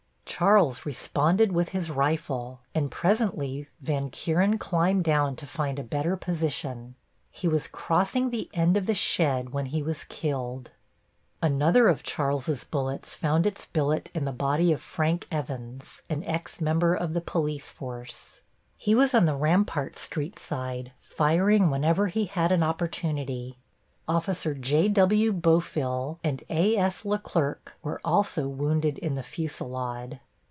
Charles responded with his rifle, and presently Van Kuren climbed down to find a better position. He was crossing the end of the shed when he was killed. Another of Charles's bullets found its billet in the body of Frank Evans, an ex member of the police force. He was on the Rampart Street side firing whenever he had an opportunity. Officer J.W. Bofill and A.S. Leclerc were also wounded in the fusillade.